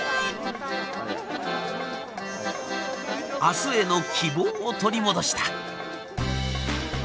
明日への希望を取り戻した。